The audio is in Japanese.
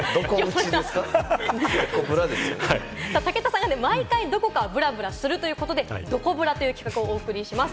武田さんが毎回どこかをブラブラするということでどこブラという企画をお送りします。